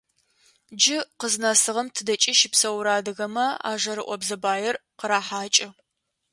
Джы къызнэсыгъэм тыдэкӏи щыпсэурэ адыгэмэ а жэрыӏобзэ баир къырахьакӏы.